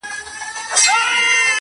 لا لکه غر پر لمن کاڼي لري؛